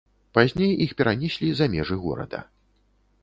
Пазней іх перанеслі за межы горада.